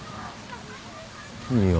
いいよ。